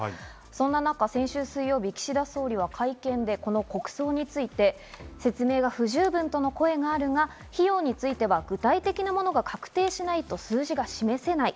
そんな中、先週水曜日、岸田総理は会見で国葬について説明が不十分との声があるが費用については具体的なものが確定しないと数字が示せない。